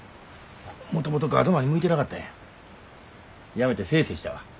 もともとガードマンに向いてなかったんや辞めてせえせえしたわ。